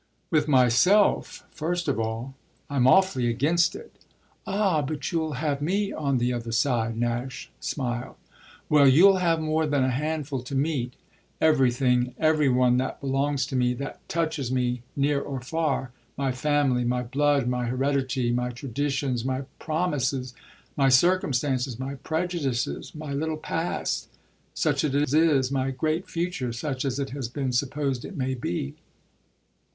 "With myself first of all. I'm awfully against it." "Ah but you'll have me on the other side," Nash smiled. "Well, you'll have more than a handful to meet everything, every one that belongs to me, that touches me near or far; my family, my blood, my heredity, my traditions, my promises, my circumstances, my prejudices; my little past such as it is; my great future such as it has been supposed it may be."